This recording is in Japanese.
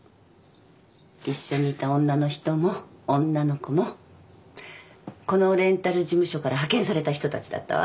一緒にいた女の人も女の子もこのレンタル事務所から派遣された人たちだったわ。